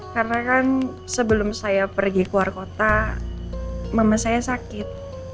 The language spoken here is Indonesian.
karena kan sebelum saya pergi keluar kota mama saya sakit